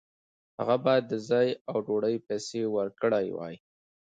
هغه باید د ځای او ډوډۍ پیسې ورکړې وای.